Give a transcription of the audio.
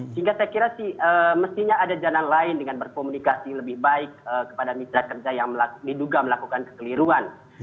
sehingga saya kira sih mestinya ada jalan lain dengan berkomunikasi lebih baik kepada mitra kerja yang diduga melakukan kekeliruan